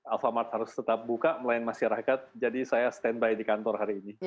alfamart harus tetap buka melayan masyarakat jadi saya standby di kantor hari ini